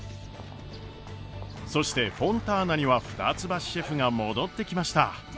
そしてフォンターナには二ツ橋シェフが戻ってきました。